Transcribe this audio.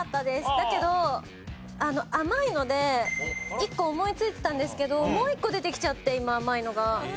だけど甘いので１個思いついてたんですけどもう１個出てきちゃって今甘いのが。